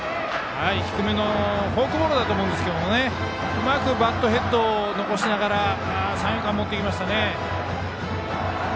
低めのフォークボールだと思いますがうまくバットヘッドを残しながら三遊間に持っていきましたね。